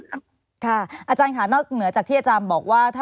อาจารย์ค่ะนอกเหนือจากที่อาจารย์บอกว่า